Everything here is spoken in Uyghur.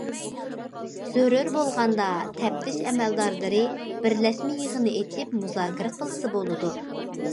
زۆرۈر بولغاندا تەپتىش ئەمەلدارلىرى بىرلەشمە يىغىنى ئېچىپ مۇزاكىرە قىلسا بولىدۇ.